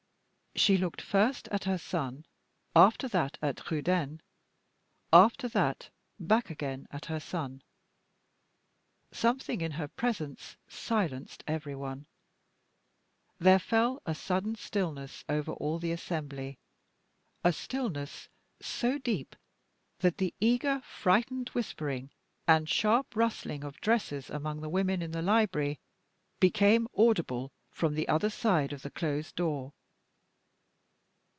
She looked first at her son after that, at Trudaine after that back again at her son. Something in her presence silenced every one. There fell a sudden stillness over all the assembly a stillness so deep that the eager, frightened whispering, and sharp rustling of dresses among the women in the library, became audible from the other side of the closed door.